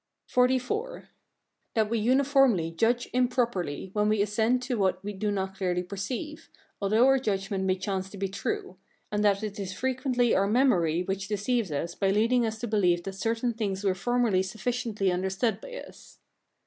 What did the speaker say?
XLIV. That we uniformly judge improperly when we assent to what we do not clearly perceive, although our judgment may chance to be true; and that it is frequently our memory which deceives us by leading us to believe that certain things were formerly sufficiently understood by us.